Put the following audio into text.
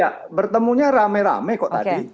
ya bertemunya rame rame kok tadi